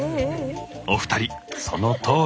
お二人そのとおり！